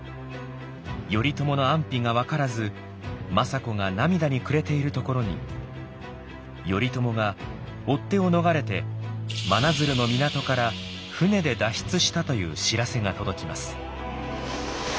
頼朝の安否が分からず政子が涙に暮れているところに頼朝が追っ手を逃れて真鶴の港から船で脱出したという知らせが届きます。